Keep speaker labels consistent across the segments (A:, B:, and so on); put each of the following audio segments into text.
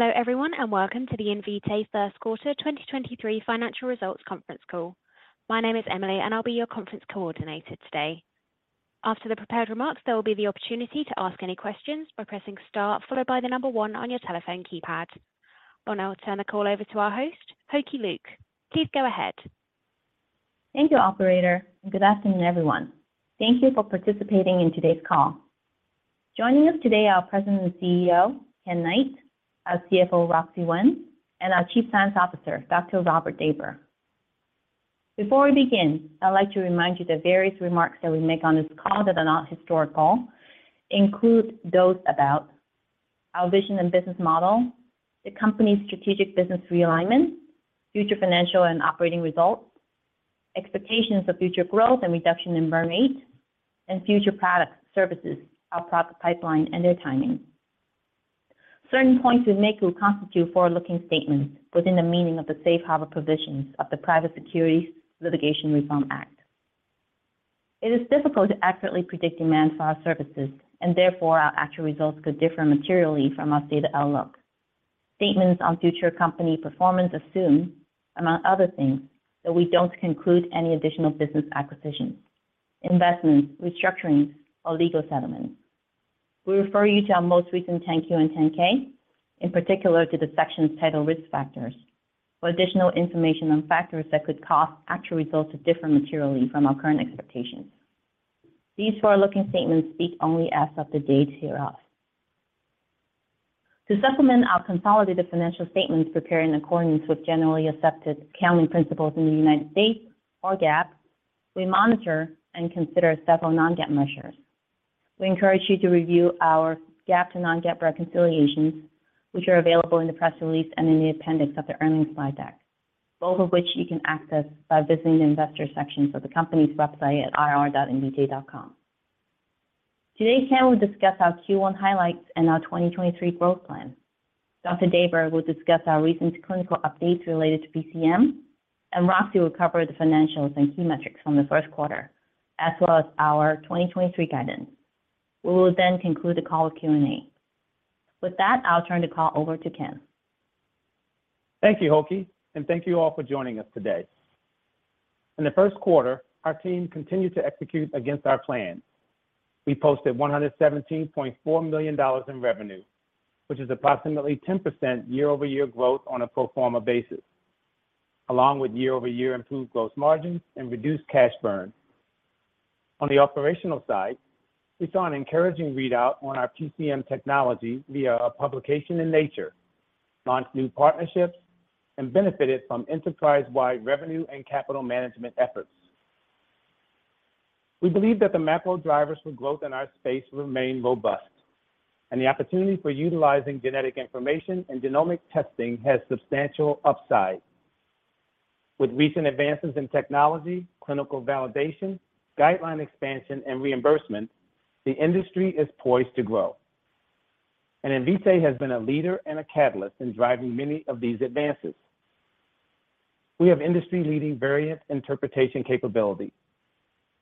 A: Hello everyone. Welcome to the Invitae First Quarter 2023 Financial Results Conference Call. My name is Emily. I'll be your conference coordinator today. After the prepared remarks, there will be the opportunity to ask any questions by pressing star followed by one on your telephone keypad. Now I'll turn the call over to our host, Hoki Luk. Please go ahead.
B: Thank you, operator. Good afternoon, everyone. Thank you for participating in today's call. Joining us today are our President and CEO, Ken Knight, our CFO, Roxi Wen, and our Chief Science Officer, Dr. Robert Daber. Before we begin, I'd like to remind you the various remarks that we make on this call that are not historical include those about our vision and business model, the company's strategic business realignment, future financial and operating results, expectations of future growth and reduction in burn rate, and future products, services, our product pipeline and their timing. Certain points we make will constitute forward-looking statements within the meaning of the safe harbor provisions of the Private Securities Litigation Reform Act. It is difficult to accurately predict demand for our services, and therefore, our actual results could differ materially from our stated outlook. Statements on future company performance assume, among other things, that we don't conclude any additional business acquisitions, investments, restructurings, or legal settlements. We refer you to our most recent 10-Q and 10-K, in particular to the sections titled Risk Factors, for additional information on factors that could cause actual results to differ materially from our current expectations. These forward-looking statements speak only as of the date hereof. To supplement our consolidated financial statements prepared in accordance with generally accepted accounting principles in the United States, or GAAP, we monitor and consider several non-GAAP measures. We encourage you to review our GAAP to non-GAAP reconciliations, which are available in the press release and in the appendix of the earnings slide deck, both of which you can access by visiting the investors section for the company's website at ir.invitae.com. Today, Ken will discuss our Q1 highlights and our 2023 growth plan. Dr. Daber will discuss our recent clinical updates related to PCM, and Roxi will cover the financials and key metrics from the first quarter, as well as our 2023 guidance. We will then conclude the call with Q&A. With that, I'll turn the call over to Ken.
C: Thank you, Hoki. Thank you all for joining us today. In the first quarter, our team continued to execute against our plan. We posted $117.4 million in revenue, which is approximately 10% year-over-year growth on a pro forma basis, along with year-over-year improved gross margins and reduced cash burn. On the operational side, we saw an encouraging readout on our PCM technology via a publication in Nature, launched new partnerships, and benefited from enterprise-wide revenue and capital management efforts. We believe that the macro drivers for growth in our space remain robust. The opportunity for utilizing genetic information and genomic testing has substantial upside. With recent advances in technology, clinical validation, guideline expansion, and reimbursement, the industry is poised to grow. Invitae has been a leader and a catalyst in driving many of these advances. We have industry-leading variant interpretation capability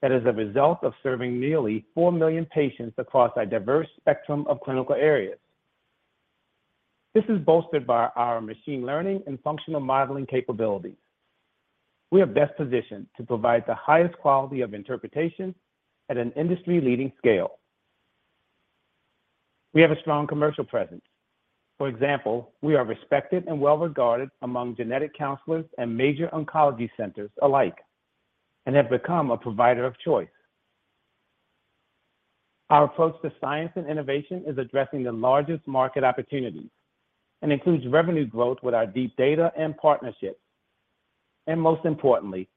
C: that is a result of serving nearly 4 million patients across a diverse spectrum of clinical areas. This is bolstered by our machine learning and functional modeling capabilities. We are best positioned to provide the highest quality of interpretation at an industry-leading scale. We have a strong commercial presence. For example, we are respected and well regarded among genetic counselors and major oncology centers alike and have become a provider of choice. Our approach to science and innovation is addressing the largest market opportunities and includes revenue growth with our deep data and partnerships. Most importantly,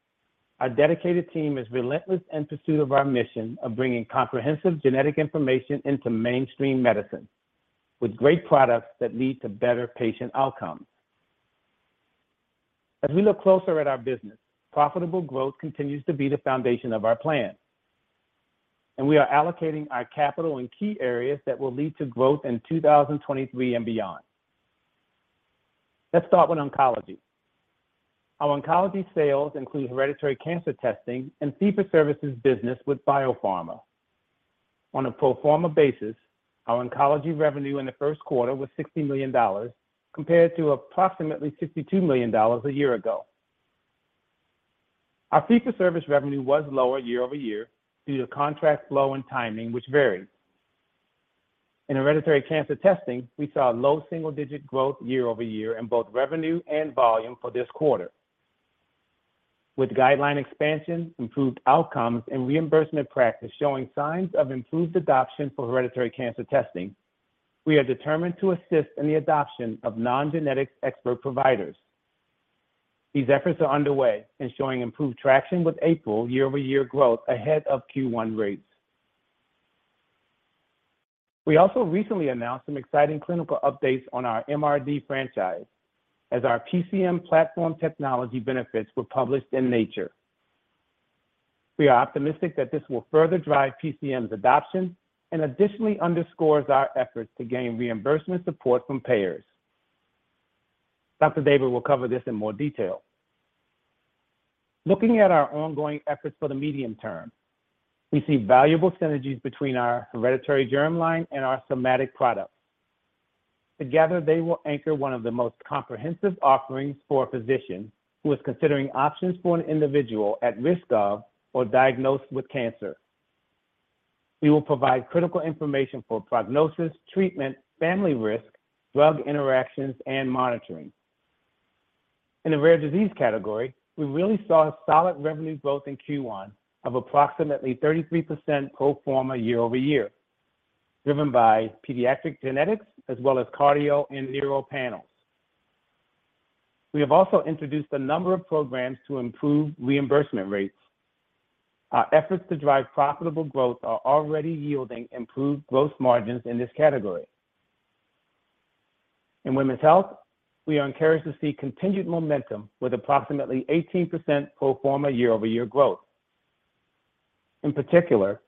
C: our dedicated team is relentless in pursuit of our mission of bringing comprehensive genetic information into mainstream medicine with great products that lead to better patient outcomes. As we look closer at our business, profitable growth continues to be the foundation of our plan, and we are allocating our capital in key areas that will lead to growth in 2023 and beyond. Let's start with oncology. Our oncology sales include hereditary cancer testing and fee-for-service business with biopharma. On a pro forma basis, our oncology revenue in the first quarter was $60 million compared to approximately $62 million a year ago. Our fee-for-service revenue was lower year-over-year due to contract flow and timing, which varied. In hereditary cancer testing, we saw low single-digit growth year-over-year in both revenue and volume for this quarter. With guideline expansion, improved outcomes, and reimbursement practice showing signs of improved adoption for hereditary cancer testing, we are determined to assist in the adoption of non-genetic expert providers. These efforts are underway and showing improved traction with April year-over-year growth ahead of Q1 rates. We also recently announced some exciting clinical updates on our MRD franchise as our PCM platform technology benefits were published in Nature. We are optimistic that this will further drive PCM's adoption and additionally underscores our efforts to gain reimbursement support from payers. Dr. Daber will cover this in more detail. Looking at our ongoing efforts for the medium term, we see valuable synergies between our hereditary germline and our somatic products. Together, they will anchor one of the most comprehensive offerings for a physician who is considering options for an individual at risk of or diagnosed with cancer. We will provide critical information for prognosis, treatment, family risk, drug interactions, and monitoring. In the rare disease category, we really saw solid revenue growth in Q1 of approximately 33% pro forma year-over-year, driven by pediatric genetics as well as cardio and neuro panels. We have also introduced a number of programs to improve reimbursement rates. Our efforts to drive profitable growth are already yielding improved gross margins in this category. In women's health, we are encouraged to see continued momentum with approximately 18% pro forma year-over-year growth. In particular,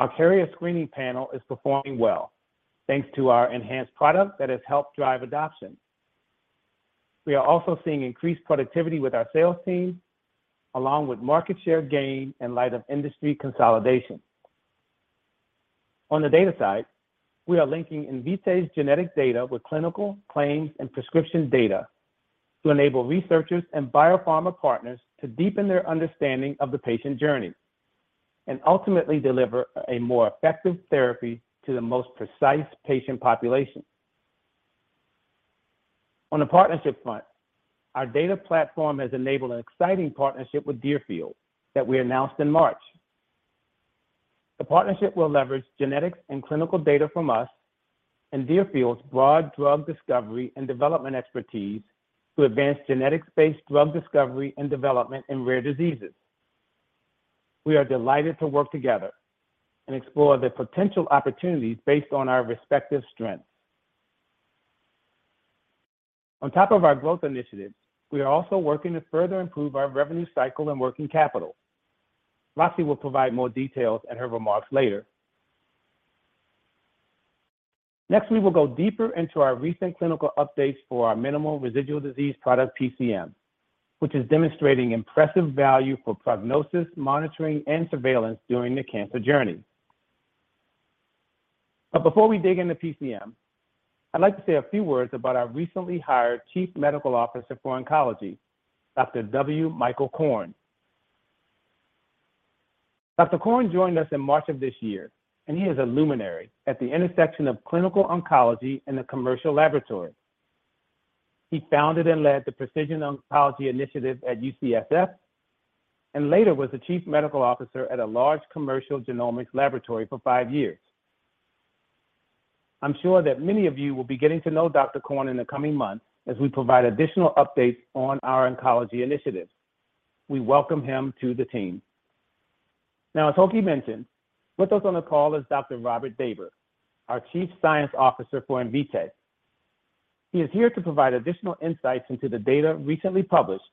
C: our carrier screening panel is performing well, thanks to our enhanced product that has helped drive adoption. We are also seeing increased productivity with our sales team, along with market share gain in light of industry consolidation. On the data side, we are linking Invitae's genetic data with clinical, claims, and prescription data to enable researchers and biopharma partners to deepen their understanding of the patient journey and ultimately deliver a more effective therapy to the most precise patient population. On the partnership front, our data platform has enabled an exciting partnership with Deerfield that we announced in March. The partnership will leverage genetics and clinical data from us and Deerfield's broad drug discovery and development expertise to advance genetics-based drug discovery and development in rare diseases. We are delighted to work together and explore the potential opportunities based on our respective strengths. On top of our growth initiatives, we are also working to further improve our revenue cycle and working capital. Roxi will provide more details in her remarks later. We will go deeper into our recent clinical updates for our minimal residual disease product, PCM, which is demonstrating impressive value for prognosis, monitoring, and surveillance during the cancer journey. Before we dig into PCM, I'd like to say a few words about our recently hired Chief Medical Officer for Oncology, Dr. W. Michael Korn. Dr. Korn joined us in March of this year, he is a luminary at the intersection of clinical oncology and the commercial laboratory. He founded and led the Precision Oncology Initiative at UCSF later was the chief medical officer at a large commercial genomics laboratory for five years. I'm sure that many of you will be getting to know Dr. Korn in the coming months as we provide additional updates on our oncology initiatives. We welcome him to the team. As Hoki mentioned, with us on the call is Dr. Robert Daber, our Chief Science Officer for Invitae. He is here to provide additional insights into the data recently published,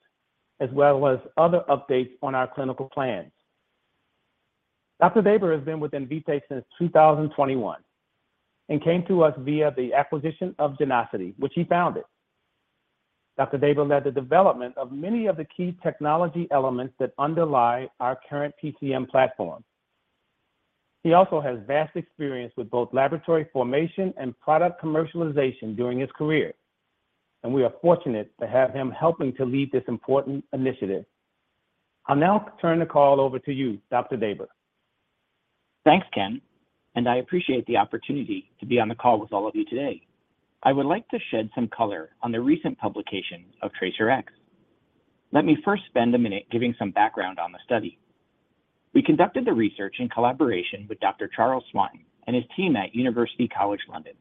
C: as well as other updates on our clinical plans. Dr. Daber has been with Invitae since 2021 and came to us via the acquisition of Genosity, which he founded. Dr. Daber led the development of many of the key technology elements that underlie our current PCM platform. He also has vast experience with both laboratory formation and product commercialization during his career, and we are fortunate to have him helping to lead this important initiative. I'll now turn the call over to you, Dr. Daber.
D: Thanks, Ken. I appreciate the opportunity to be on the call with all of you today. I would like to shed some color on the recent publication of TRACERx. Let me first spend a minute giving some background on the study. We conducted the research in collaboration with Dr. Charles Swanton and his team at University College London.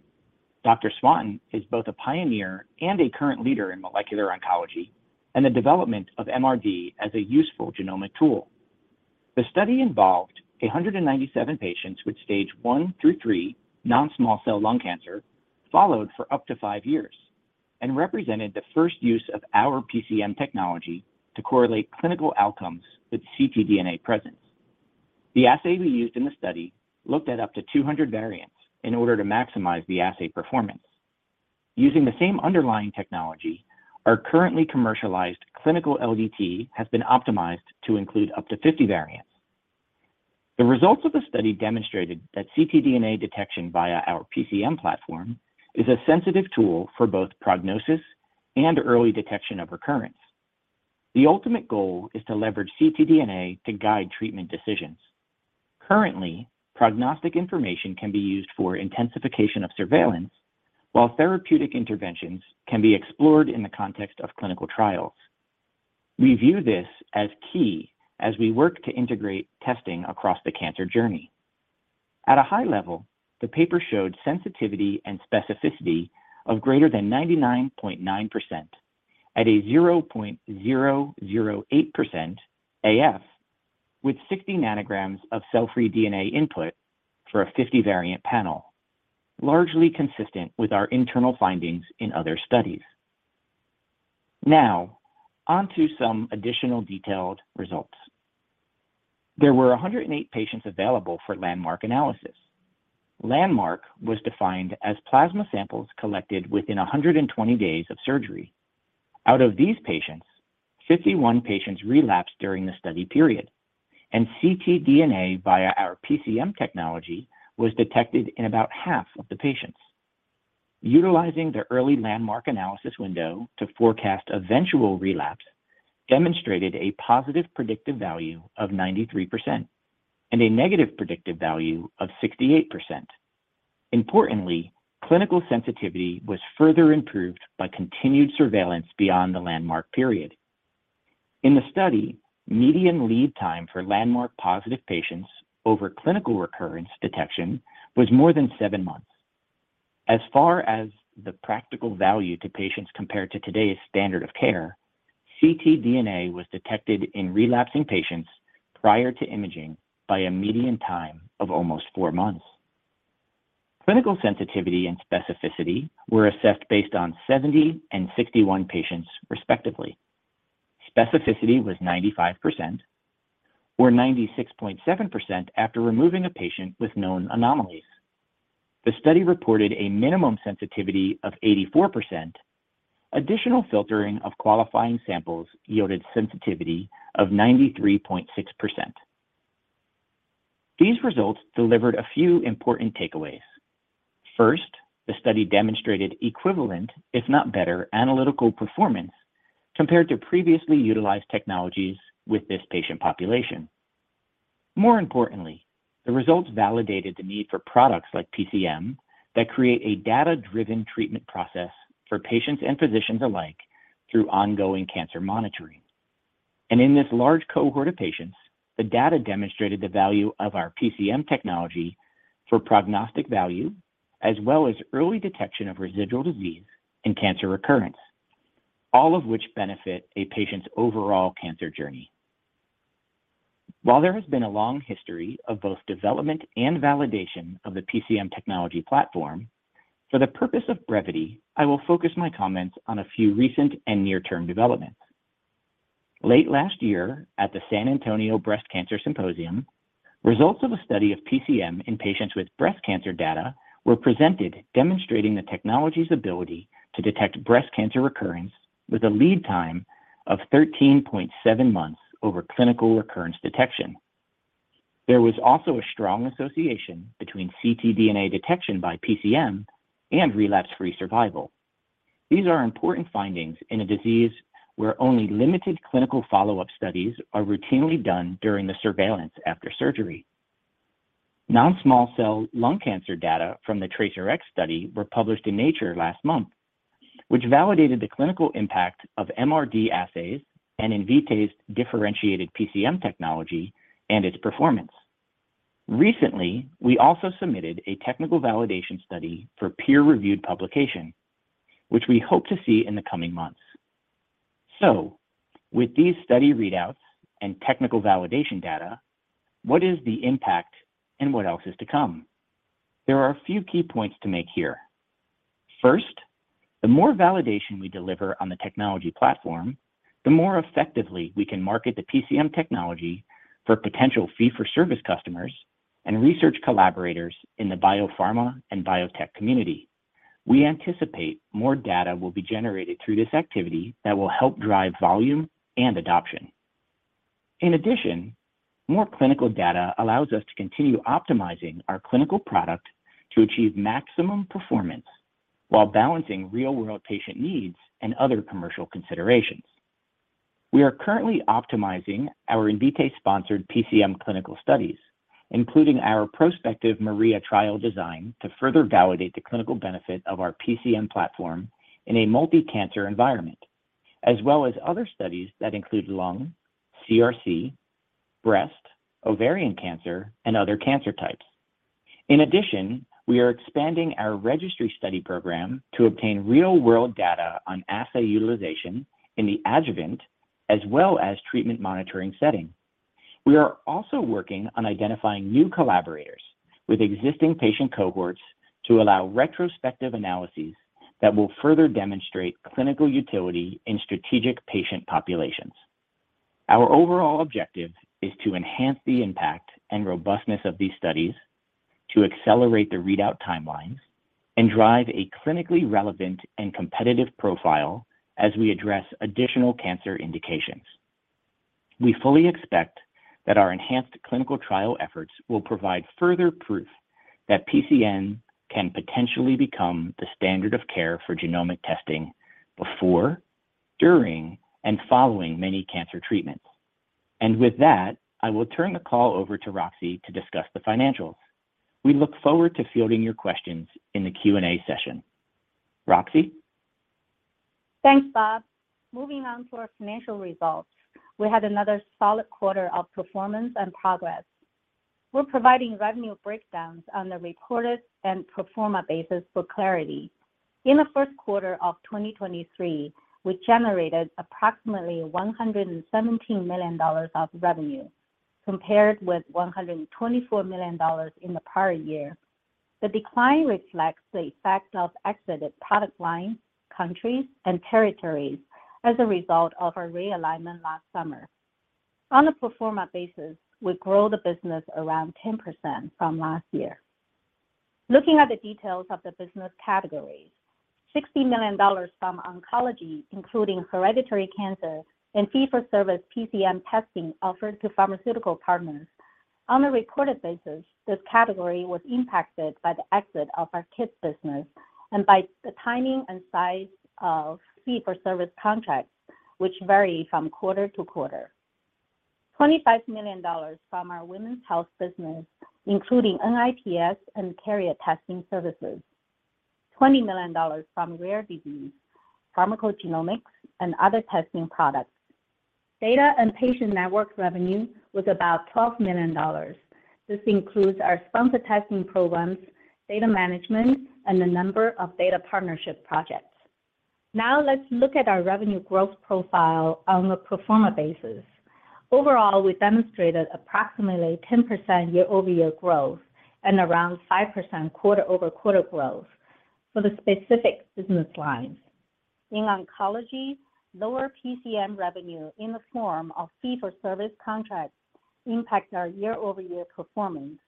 D: Dr. Swanton is both a pioneer and a current leader in molecular oncology and the development of MRD as a useful genomic tool. The study involved 197 patients with stage 1-3 non-small cell lung cancer, followed for up to five years and represented the first use of our PCM technology to correlate clinical outcomes with ctDNA presence. The assay we used in the study looked at up to 200 variants in order to maximize the assay performance. Using the same underlying technology, our currently commercialized clinical LDT has been optimized to include up to 50 variants. The results of the study demonstrated that ctDNA detection via our PCM platform is a sensitive tool for both prognosis and early detection of recurrence. The ultimate goal is to leverage ctDNA to guide treatment decisions. Currently, prognostic information can be used for intensification of surveillance, while therapeutic interventions can be explored in the context of clinical trials. We view this as key as we work to integrate testing across the cancer journey. At a high level, the paper showed sensitivity and specificity of greater than 99.9% at a 0.008% AF, with 60 nanograms of cell-free DNA input for a 50-variant panel, largely consistent with our internal findings in other studies. Now on to some additional detailed results. There were 108 patients available for landmark analysis. Landmark was defined as plasma samples collected within 120 days of surgery. Out of these patients, 51 patients relapsed during the study period, and ctDNA via our PCM technology was detected in about half of the patients. Utilizing the early landmark analysis window to forecast eventual relapse demonstrated a positive predictive value of 93% and a negative predictive value of 68%. Importantly, clinical sensitivity was further improved by continued surveillance beyond the landmark period. In the study, median lead time for landmark positive patients over clinical recurrence detection was more than seven months. As far as the practical value to patients compared to today's standard of care, ctDNA was detected in relapsing patients prior to imaging by a median time of almost four months. Clinical sensitivity and specificity were assessed based on 70 and 61 patients respectively. Specificity was 95% or 96.7% after removing a patient with known anomalies. The study reported a minimum sensitivity of 84%. Additional filtering of qualifying samples yielded sensitivity of 93.6%. These results delivered a few important takeaways. First, the study demonstrated equivalent, if not better, analytical performance compared to previously utilized technologies with this patient population. More importantly, the results validated the need for products like PCM that create a data-driven treatment process for patients and physicians alike through ongoing cancer monitoring. In this large cohort of patients, the data demonstrated the value of our PCM technology for prognostic value as well as early detection of residual disease and cancer recurrence, all of which benefit a patient's overall cancer journey. While there has been a long history of both development and validation of the PCM technology platform, for the purpose of brevity, I will focus my comments on a few recent and near-term developments. Late last year at the San Antonio Breast Cancer Symposium, results of a study of PCM in patients with breast cancer data were presented demonstrating the technology's ability to detect breast cancer recurrence with a lead time of 13.7 months over clinical recurrence detection. There was also a strong association between ctDNA detection by PCM and relapse-free survival. These are important findings in a disease where only limited clinical follow-up studies are routinely done during the surveillance after surgery. Non-small cell lung cancer data from the TRACERx study were published in Nature last month, which validated the clinical impact of MRD assays and Invitae's differentiated PCM technology and its performance. Recently, we also submitted a technical validation study for peer-reviewed publication, which we hope to see in the coming months. With these study readouts and technical validation data, what is the impact and what else is to come? There are a few key points to make here. First, the more validation we deliver on the technology platform, the more effectively we can market the PCM technology for potential fee-for-service customers and research collaborators in the biopharma and biotech community. We anticipate more data will be generated through this activity that will help drive volume and adoption. In addition, more clinical data allows us to continue optimizing our clinical product to achieve maximum performance while balancing real-world patient needs and other commercial considerations. We are currently optimizing our Invitae-sponsored PCM clinical studies, including our prospective MARIA trial design to further validate the clinical benefit of our PCM platform in a multi-cancer environment, as well as other studies that include lung, CRC, breast, ovarian cancer, and other cancer types. In addition, we are expanding our registry study program to obtain real-world data on assay utilization in the adjuvant as well as treatment monitoring setting. We are also working on identifying new collaborators with existing patient cohorts to allow retrospective analyses that will further demonstrate clinical utility in strategic patient populations. Our overall objective is to enhance the impact and robustness of these studies to accelerate the readout timelines and drive a clinically relevant and competitive profile as we address additional cancer indications. We fully expect that our enhanced clinical trial efforts will provide further proof that PCM can potentially become the standard of care for genomic testing before, during, and following many cancer treatments. With that, I will turn the call over to Roxi to discuss the financials. We look forward to fielding your questions in the Q&A session. Roxi?
E: Thanks, Bob. Moving on to our financial results, we had another solid quarter of performance and progress. We're providing revenue breakdowns on the reported and pro forma basis for clarity. In the first quarter of 2023, we generated approximately $117 million of revenue compared with $124 million in the prior year. The decline reflects the effect of exited product lines, countries, and territories as a result of our realignment last summer. On a pro forma basis, we grow the business around 10% from last year. Looking at the details of the business categories, $60 million from oncology, including hereditary cancer and fee-for-service PCM testing offered to pharmaceutical partners. On a reported basis, this category was impacted by the exit of our kits business and by the timing and size of fee-for-service contracts, which vary from quarter-to-quarter. $25 million from our women's health business, including NIPS and carrier testing services. $20 million from rare disease, pharmacogenomics, and other testing products. Data and patient network revenue was about $12 million. This includes our sponsored testing programs, data management, and the number of data partnership projects. Let's look at our revenue growth profile on a pro forma basis. Overall, we demonstrated approximately 10% year-over-year growth and around 5% quarter-over-quarter growth for the specific business lines. In oncology, lower PCM revenue in the form of fee-for-service contracts impacted our year-over-year performance,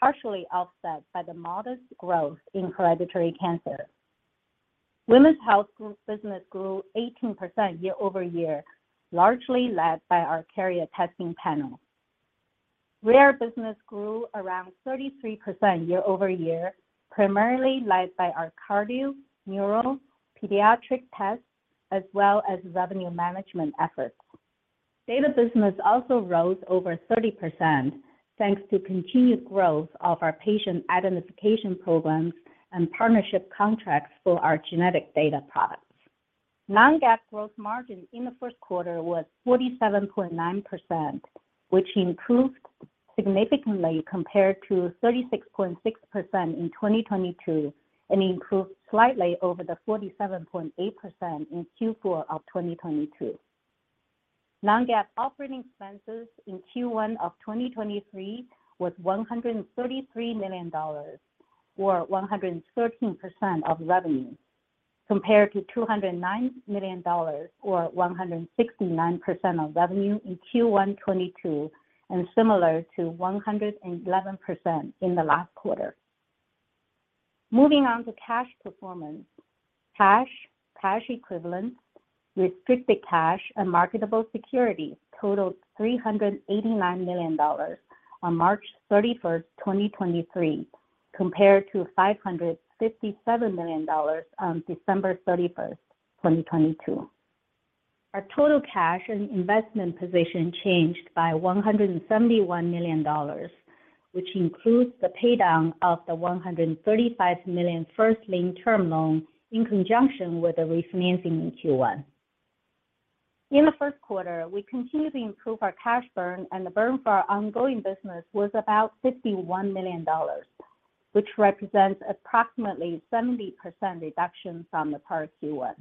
E: partially offset by the modest growth in hereditary cancer. Women's health group business grew 18% year-over-year, largely led by our carrier testing panel. Rare business grew around 33% year-over-year, primarily led by our cardio, neural, pediatric tests, as well as revenue management efforts. Data business also rose over 30%, thanks to continued growth of our patient identification programs and partnership contracts for our genetic data products. Non-GAAP growth margin in the first quarter was 47.9%, which improved significantly compared to 36.6% in 2022, and improved slightly over the 47.8% in Q4 2022. Non-GAAP operating expenses in Q1 2023 was $133 million or 113% of revenue, compared to $209 million or 169% of revenue in Q1 2022 and similar to 111% in the last quarter. Moving on to cash performance. Cash, cash equivalents, restricted cash, and marketable securities totaled $389 million on March 31st, 2023, compared to $557 million on December 31st, 2022. Our total cash and investment position changed by $171 million, which includes the pay down of the $135 million first lien term loan in conjunction with the refinancing in Q1. In the first quarter, we continued to improve our cash burn, and the burn for our ongoing business was about $51 million, which represents approximately 70% reduction from the prior Q1.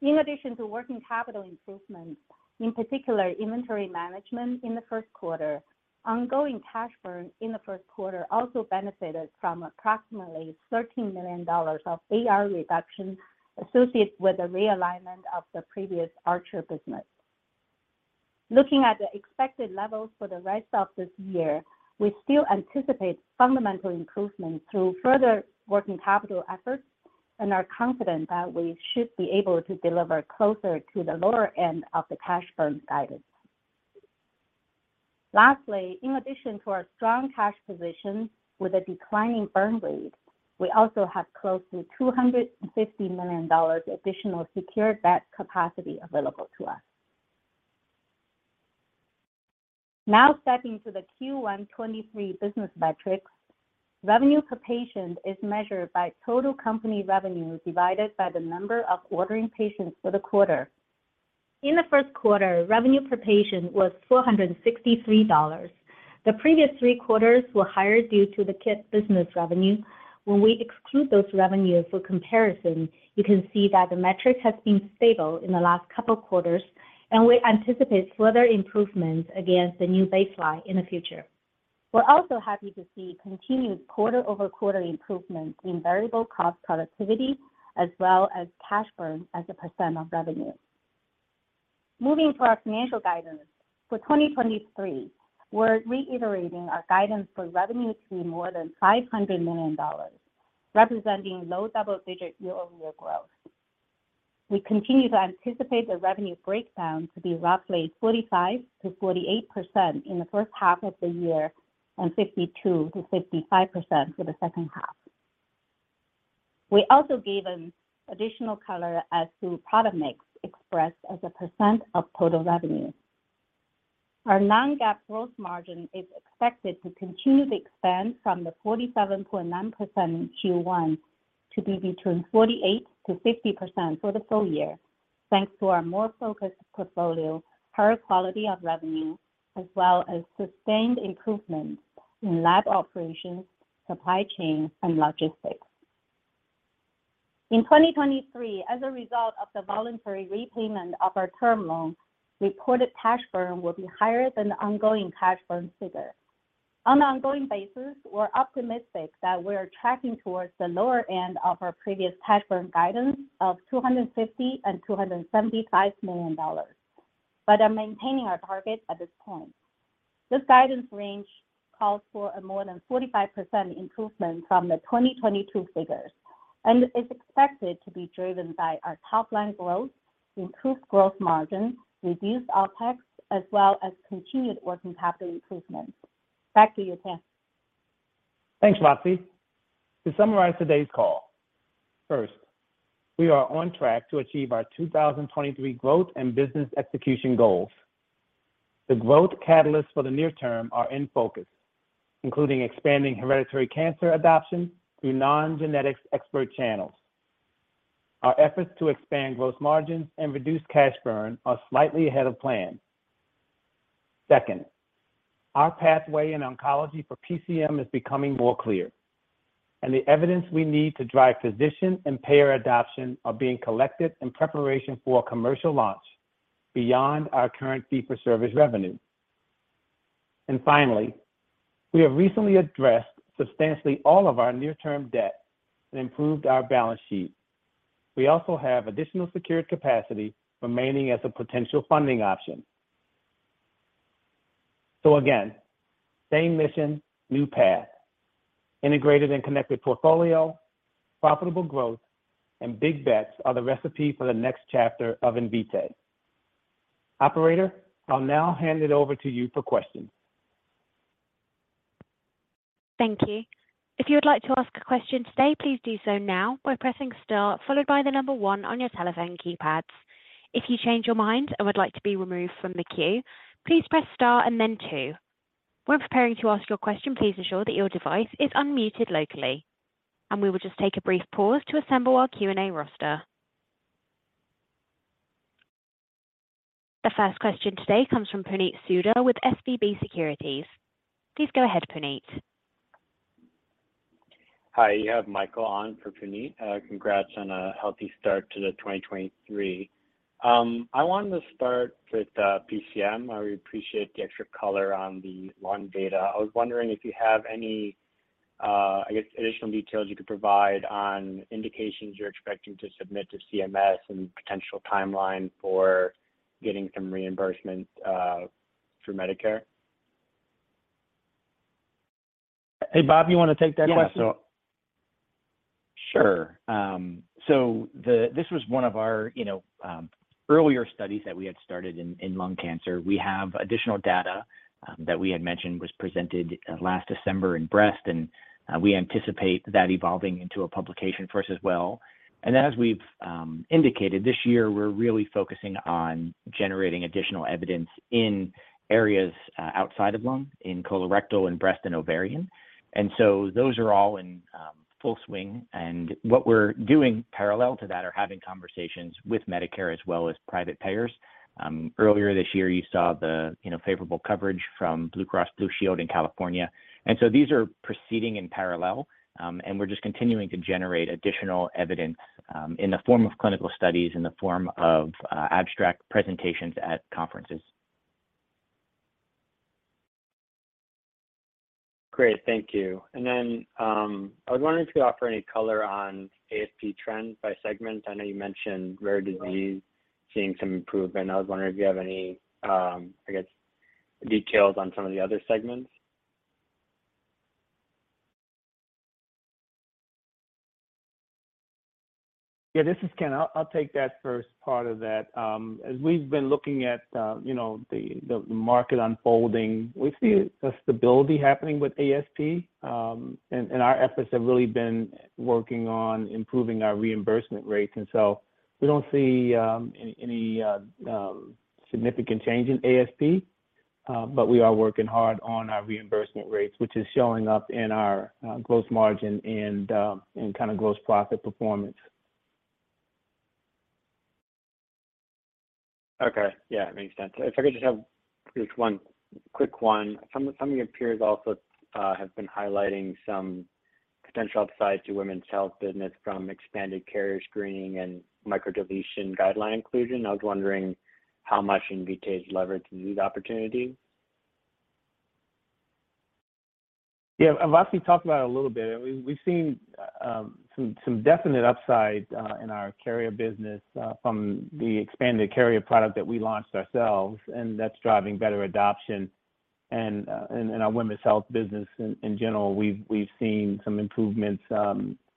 E: In addition to working capital improvements, in particular inventory management in the first quarter, ongoing cash burn in the first quarter also benefited from approximately $13 million of AR reduction associated with the realignment of the previous Archer business. Looking at the expected levels for the rest of this year, we still anticipate fundamental improvements through further working capital efforts and are confident that we should be able to deliver closer to the lower end of the cash burn guidance. Lastly, in addition to our strong cash position with a declining burn rate, we also have close to $250 million additional secured debt capacity available to us. Stepping to the Q1 2023 business metrics. Revenue per patient is measured by total company revenue divided by the number of ordering patients for the quarter. In the first quarter, revenue per patient was $463. The previous three quarters were higher due to the kits business revenue. When we exclude those revenues for comparison, you can see that the metric has been stable in the last couple quarters, and we anticipate further improvements against the new baseline in the future. We're also happy to see continued quarter-over-quarter improvements in variable cost productivity as well as cash burn as a % of revenue. Moving to our financial guidance. For 2023, we're reiterating our guidance for revenue to be more than $500 million, representing low double-digit year-over-year growth. We continue to anticipate the revenue breakdown to be roughly 45%-48% in the first half of the year and 52%-55% for the second half. We also gave an additional color as to product mix expressed as a % of total revenue. Our non-GAAP gross margin is expected to continue to expand from the 47.9% in Q1 to be between 48%-50% for the full year, thanks to our more focused portfolio, higher quality of revenue, as well as sustained improvements in lab operations, supply chain, and logistics. In 2023, as a result of the voluntary repayment of our term loan, reported cash burn will be higher than the ongoing cash burn figure. On an ongoing basis, we're optimistic that we are tracking towards the lower end of our previous cash burn guidance of $250 million-$275 million, but are maintaining our target at this point. This guidance range calls for a more than 45% improvement from the 2022 figures, is expected to be driven by our top-line growth, improved growth margin, reduced OpEx, as well as continued working capital improvements. Back to you, Ken.
C: Thanks, Roxi. To summarize today's call, first, we are on track to achieve our 2023 growth and business execution goals. The growth catalysts for the near term are in focus, including expanding hereditary cancer adoption through non-genetics expert channels. Our efforts to expand gross margins and reduce cash burn are slightly ahead of plan. Second, our pathway in oncology for PCM is becoming more clear, and the evidence we need to drive physician and payer adoption are being collected in preparation for a commercial launch beyond our current fee for service revenue. Finally, we have recently addressed substantially all of our near-term debt and improved our balance sheet. We also have additional secured capacity remaining as a potential funding option. Again, same mission, new path, integrated and connected portfolio, profitable growth, and big bets are the recipe for the next chapter of Invitae. Operator, I'll now hand it over to you for questions.
A: Thank you. If you would like to ask a question today, please do so now by pressing star followed by 1 on your telephone keypads. If you change your mind and would like to be removed from the queue, please press star and then two. When preparing to ask your question, please ensure that your device is unmuted locally, we will just take a brief pause to assemble our Q&A roster. The first question today comes from Puneet Souda with SVB Securities. Please go ahead, Puneet.
F: Hi, you have Michael on for Puneet. Congrats on a healthy start to the 2023. I wanted to start with PCM. I really appreciate the extra color on the lung data. I was wondering if you have any, I guess, additional details you could provide on indications you're expecting to submit to CMS and potential timeline for getting some reimbursement through Medicare.
C: Hey, Bob, you want to take that question?
D: Yeah. Sure. This was one of our, you know, earlier studies that we had started in lung cancer. We have additional data that we had mentioned was presented last December in breast, we anticipate that evolving into a publication for us as well. As we've indicated, this year, we're really focusing on generating additional evidence in areas outside of lung, in colorectal and breast and ovarian. Those are all in full swing. What we're doing parallel to that are having conversations with Medicare as well as private payers. Earlier this year, you saw the, you know, favorable coverage from Blue Cross Blue Shield in California. These are proceeding in parallel, and we're just continuing to generate additional evidence, in the form of clinical studies, in the form of abstract presentations at conferences.
F: Great. Thank you. Then, I was wondering if you could offer any color on ASP trends by segment. I know you mentioned rare disease seeing some improvement. I was wondering if you have any, I guess, details on some of the other segments.
C: Yeah. This is Ken. I'll take that first part of that. As we've been looking at, you know, the market unfolding, we see a stability happening with ASP, and our efforts have really been working on improving our reimbursement rates. We don't see any significant change in ASP, but we are working hard on our reimbursement rates, which is showing up in our gross margin and gross profit performance.
F: Okay. Yeah. Makes sense. If I could just have just one quick one. Some of your peers also have been highlighting some potential upside to women's health business from expanded carrier screening and microdeletion guideline inclusion. I was wondering how much Invitae has leveraged these opportunities.
C: Yeah. Roxi talked about it a little bit. We've seen some definite upside in our carrier business from the expanded carrier product that we launched ourselves, that's driving better adoption. Our women's health business in general, we've seen some improvements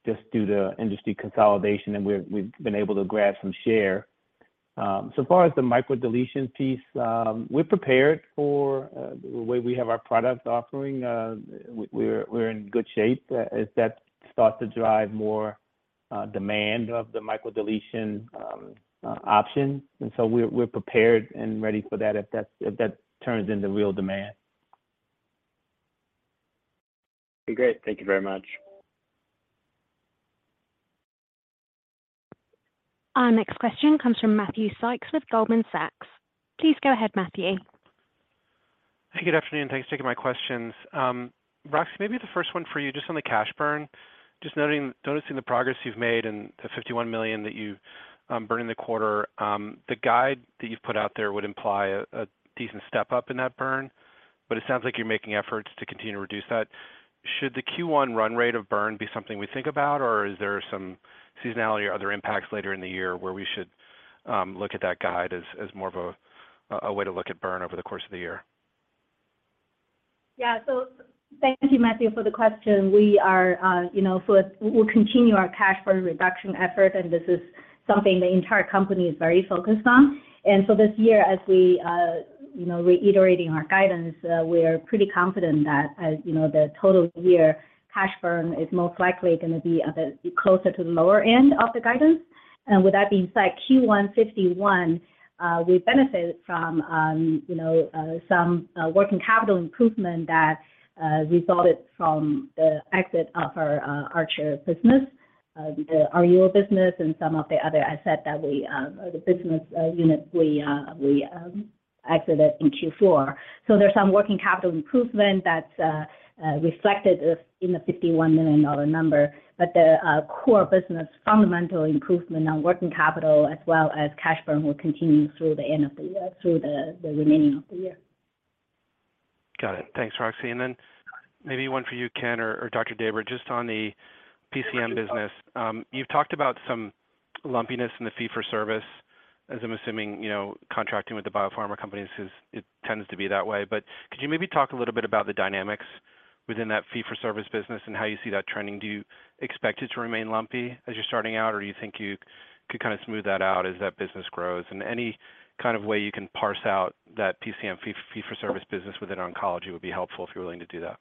C: just due to industry consolidation, we've been able to grab some share. So far as the microdeletion piece, we're prepared for the way we have our product offering. We're in good shape as that starts to drive more demand of the microdeletion option. We're prepared and ready for that if that turns into real demand.
F: Great. Thank you very much.
A: Our next question comes from Matthew Sykes with Goldman Sachs. Please go ahead, Matthew.
G: Good afternoon. Thanks for taking my questions. Roxi, maybe the first one for you just on the cash burn, just noting, noticing the progress you've made and the $51 million that you burned in the quarter. The guide that you've put out there would imply a decent step up in that burn, but it sounds like you're making efforts to continue to reduce that. Should the Q1 run rate of burn be something we think about, or is there some seasonality or other impacts later in the year where we should look at that guide as more of a way to look at burn over the course of the year?
E: Yeah. Thank you, Matthew, for the question. We are, you know, we'll continue our cash burn reduction effort. This is something the entire company is very focused on. This year, as we are, you know, reiterating our guidance, we're pretty confident that, as you know, the total year cash burn is most likely gonna be a bit closer to the lower end of the guidance. With that being said, Q1 $51, we benefited from, you know, some working capital improvement that resulted from the exit of our Archer business, the RUO business and some of the other assets that we or the business units we exited in Q4. There's some working capital improvement that's reflected in the $51 million number. The core business fundamental improvement on working capital as well as cash burn will continue through the end of the year, through the remaining of the year.
G: Got it. Thanks, Roxi. Then maybe one for you, Ken or Dr. Daber, just on the PCM business. You've talked about some lumpiness in the fee for service, as I'm assuming, you know, contracting with the biopharma companies is it tends to be that way. Could you maybe talk a little bit about the dynamics within that fee for service business and how you see that trending? Do you expect it to remain lumpy as you're starting out, or do you think you could kinda smooth that out as that business grows? Any kind of way you can parse out that PCM fee for service business within oncology would be helpful if you're willing to do that.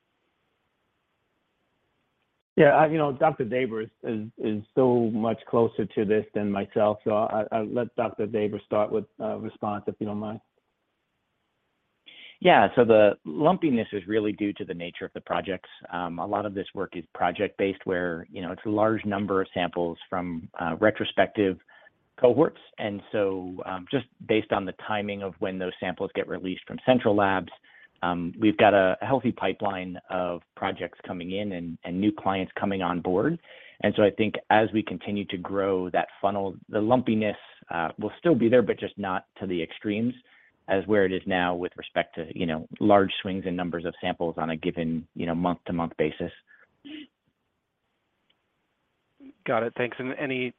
C: Yeah. You know, Dr. Daber is so much closer to this than myself. I'll let Dr. Daber start with a response, if you don't mind.
D: Yeah. The lumpiness is really due to the nature of the projects. A lot of this work is project-based where, you know, it's a large number of samples from retrospective cohorts. Just based on the timing of when those samples get released from central labs, we've got a healthy pipeline of projects coming in and new clients coming on board. I think as we continue to grow that funnel, the lumpiness will still be there, but just not to the extremes as where it is now with respect to, you know, large swings in numbers of samples on a given, you know, month-to-month basis.
G: Got it. Thanks. Any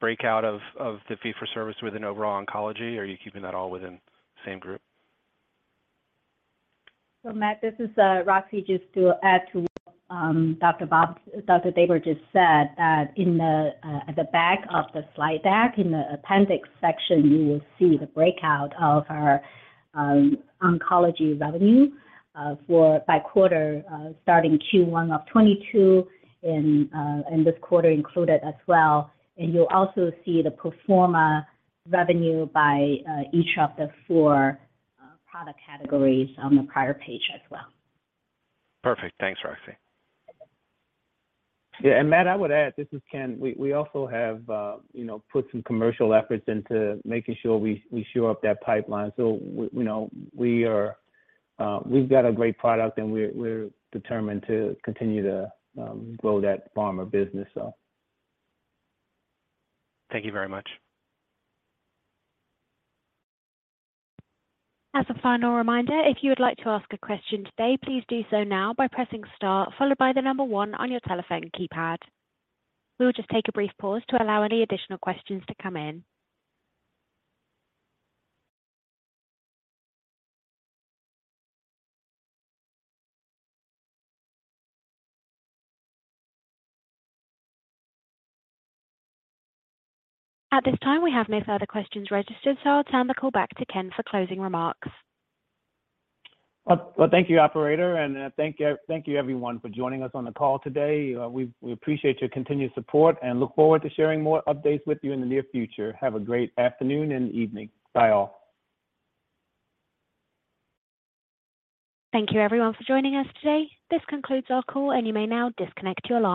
G: breakout of the fee for service within overall oncology, or are you keeping that all within the same group?
E: Matt, this is Roxi. Just to add to Dr. Daber just said that in the at the back of the slide deck in the appendix section, you will see the breakout of our oncology revenue for by quarter, starting Q1 of 2022 and this quarter included as well. You'll also see the pro forma revenue by each of the four product categories on the prior page as well.
G: Perfect. Thanks, Roxi.
C: Yeah. Matt, I would add, this is Ken. We also have, you know, put some commercial efforts into making sure we shore up that pipeline. We, you know, we've got a great product, and we're determined to continue to grow that pharma business, so.
G: Thank you very much.
A: As a final reminder, if you would like to ask a question today, please do so now by pressing star followed by the number one on your telephone keypad. We will just take a brief pause to allow any additional questions to come in. At this time, we have no further questions registered. I'll turn the call back to Ken for closing remarks.
C: Well, thank you, operator, and thank you everyone for joining us on the call today. We appreciate your continued support and look forward to sharing more updates with you in the near future. Have a great afternoon and evening. Bye all.
A: Thank you everyone for joining us today. This concludes our call, and you may now disconnect your line.